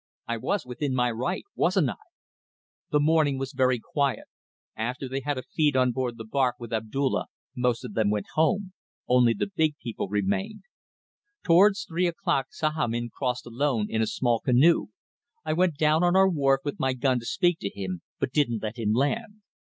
I was within my right wasn't I? The morning was very quiet. After they had a feed on board the barque with Abdulla most of them went home; only the big people remained. Towards three o'clock Sahamin crossed alone in a small canoe. I went down on our wharf with my gun to speak to him, but didn't let him land.